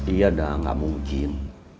iya dah gak mungkin